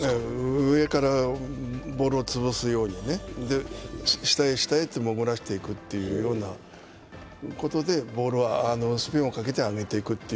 上からボールを潰すように下へ下へと潜らしていくということで、ボールをスピンをかけて上げていく。